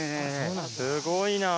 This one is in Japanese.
すごいな。